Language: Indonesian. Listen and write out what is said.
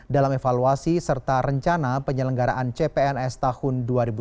dalam evaluasi serta rencana penyelenggaraan cpns tahun dua ribu dua puluh